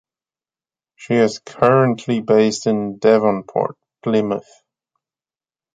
She is currently based in Devonport, Plymouth.